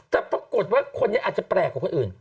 แต่ปรากฏว่าคนนี้อาจจะแปลกกว่าคนอื่น